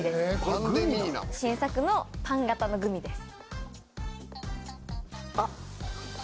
新作のパン形のグミです。